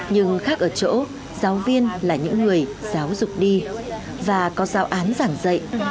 nhưng khác ở chỗ giáo viên là những người giáo dục đi và có giáo án giảng dạy